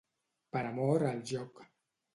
Per amor a el joc.